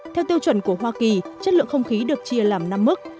theo tiêu chuẩn của hoa kỳ chất lượng không khí được chia làm năm mức